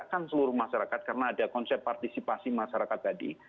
kan seluruh masyarakat karena ada konsep partisipasi masyarakat tadi